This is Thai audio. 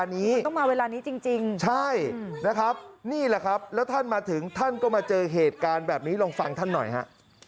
นี่แหละครับแล้วท่านมาถึงท่านก็มาเจอเหตุการณ์แบบนี้ลองฟังท่านหน่อยฮะ